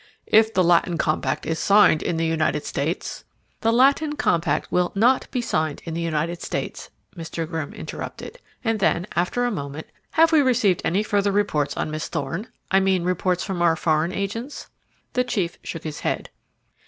"If the Latin compact is signed in the United States ?" "The Latin compact will not be signed in the United States," Mr. Grimm interrupted. And then, after a moment: "Have we received any further reports on Miss Thorne? I mean reports from our foreign agents?" The chief shook his head.